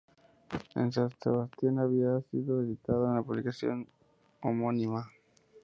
En San Sebastián había sido editada una publicación homónima.